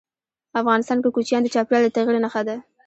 افغانستان کې کوچیان د چاپېریال د تغیر نښه ده.